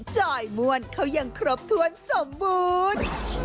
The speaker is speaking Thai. จอยม่วนเขายังครบถ้วนสมบูรณ์